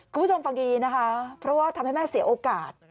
คุณผู้ชมฟังดีนะคะเพราะว่าทำให้แม่เสียโอกาส